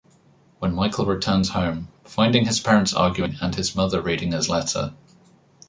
When Michael returns home, finding his parents arguing and his mother reading his letter.